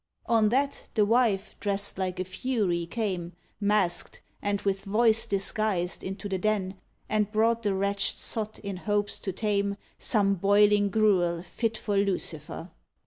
On that the wife, dressed like a Fury, came, Mask'd, and with voice disguised, into the den, And brought the wretched sot, in hopes to tame, Some boiling gruel fit for Lucifer.